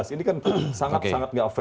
ini kan sangat sangat gak fair